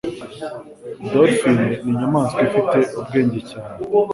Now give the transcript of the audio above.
Dolphine ninyamaswa ifite ubwenge cyane.